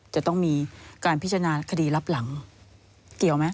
จะต้องมีการพิจารณาคดีรับหลังเกี่ยวไหม